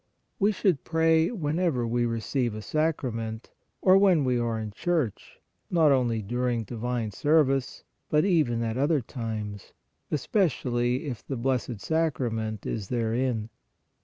We should pray whenever we receive a sacrament, or when we are in church, not only during divine service, but even at other times, especially if the Blessed Sacrament is therein.